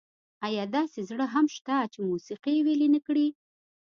ایا داسې زړه هم شته چې موسيقي یې ویلي نه کړي؟